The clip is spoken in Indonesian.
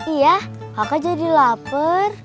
iya kakak jadi lapar